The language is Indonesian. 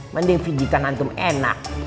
mending v jika nantum enak